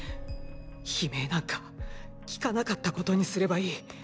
悲鳴なんか聞かなかったことにすればいい。